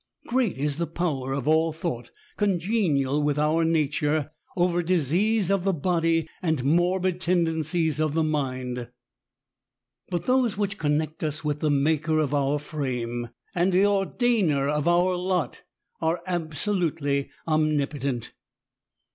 Great is the power of all thought, congenial with our nature, over disease of body and morbid tendencies of the mind ; but those which connect us with the Maker of our frame and the Ordainer of our lot are absolutely onmipotent.